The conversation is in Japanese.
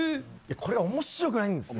これが面白くないんですよ。